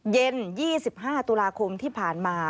เย็น๒๕ตุลาคมที่ผ่านมา